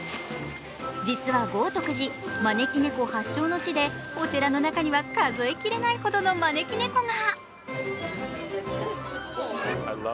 実は豪徳寺、招き猫発祥の地でお寺の中には数えきれないほどの招き猫が。